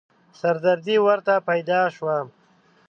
سردردې ورته پيدا شوه.